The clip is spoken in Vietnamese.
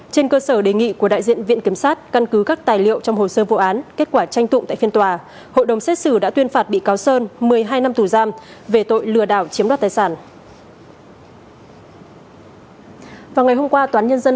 trên cơ sở đề nghị của đại diện viện kiểm sát căn cứ các tài liệu trong hồ sơ vụ án kết quả tranh tụng tại phiên tòa hội đồng xét xử đã tuyên phạt bị cáo sơn một mươi hai năm tù giam về tội lừa đảo chiếm đoạt tài sản